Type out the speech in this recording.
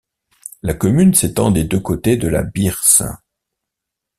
La commune s’étend des deux côtés de la Birse.